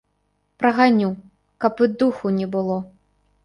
Праганю, каб і духу не было.